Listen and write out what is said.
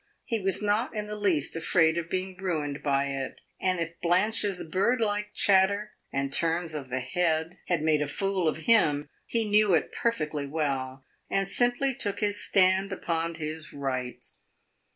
He was not in the least afraid of being ruined by it, and if Blanche's birdlike chatter and turns of the head had made a fool of him, he knew it perfectly well, and simply took his stand upon his rights.